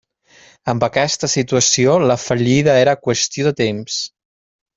Amb aquesta situació la fallida era qüestió de temps.